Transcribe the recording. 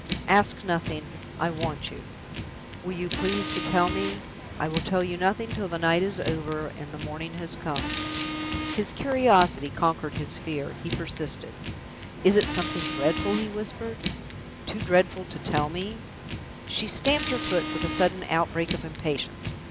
"Ask nothing. I want you." "Will you please to tell me ?" "I will tell you nothing till the night is over and the morning has come." His curiosity conquered his fear. He persisted. "Is it something dreadful?" he whispered. "Too dreadful to tell me?" She stamped her foot with a sudden outbreak of impatience.